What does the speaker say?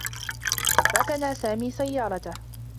ركن سامي سيّارته.